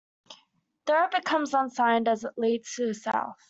There it becomes unsigned as it leads to the south.